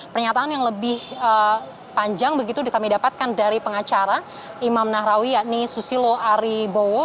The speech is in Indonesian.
pernyataan yang lebih panjang begitu kami dapatkan dari pengacara imam nahrawi yakni susilo ari bowo